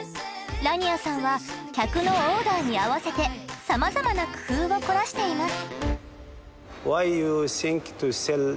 ラニアさんは客のオーダーに合わせてさまざまな工夫を凝らしています。